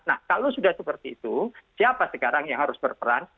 nah kalau sudah seperti itu siapa sekarang yang harus berperan